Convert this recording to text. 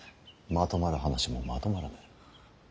まとまる話もまとまらぬ。